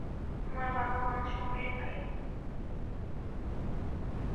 আমার বাবা মা শহরের বাইরে!